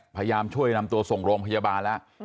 พยายามช่วยนำตัวส่งโรงพยาบาลแล้ว